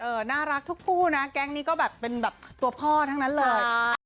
น่ารักทุกคู่นะแก๊งนี้ก็แบบเป็นแบบตัวพ่อทั้งนั้นเลย